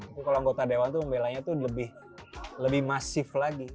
tapi kalau anggota dewan tuh membelanya tuh lebih masif lagi